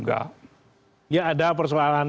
gak ya ada persoalan